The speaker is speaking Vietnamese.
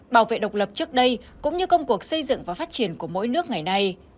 bảo vệ độc lập trước đây cũng như công cuộc xây dựng và phát triển của mỗi nước ngày nay